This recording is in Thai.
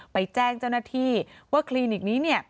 แจ้งเจ้าหน้าที่ว่าคลินิกนี้เนี่ย